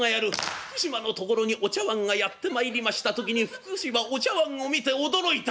福島のところにお茶碗がやってまいりました時に福島お茶碗を見て驚いた。